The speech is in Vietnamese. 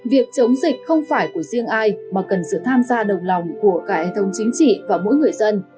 việc chống dịch không phải của riêng ai mà cần sự tham gia đồng lòng của cả hệ thống chính trị và mỗi người dân